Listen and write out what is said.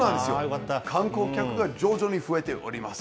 観光客が徐々に増えております。